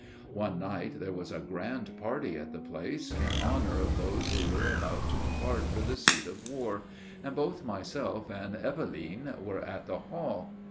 One night there was a grand party in the place, in honor of those who were about to depart for the seat of war, and both myself and Eveline were at the hall.